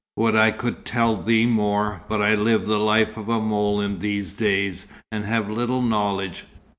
Would I could tell thee more, but I live the life of a mole in these days, and have little knowledge.